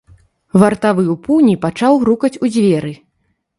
Вартавы ў пуні пачаў грукаць у дзверы.